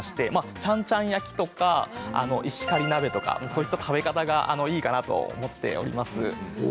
ちゃんちゃん焼きとか石狩鍋とかそういった食べ方がいいかなと思っております。